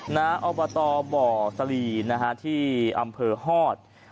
นะฮะอบตบศที่อำเภอฮอต